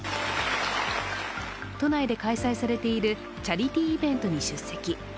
都内で開催されているチャリティーイベントに出席。